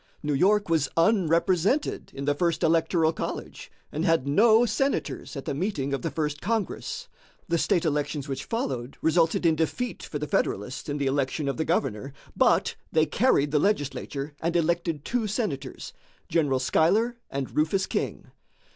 New York was unrepresented in the first electoral college, and had no senators at the meeting of the First Congress. The state elections which followed resulted in defeat for the Federalists in the election of the governor, but they carried the legislature and elected two senators, General Schuyler and Rufus King.